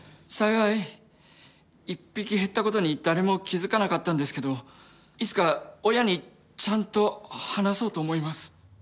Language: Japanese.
幸い１匹減ったことに誰も気付かなかったんですけどいつか親にちゃんと話そうと思います。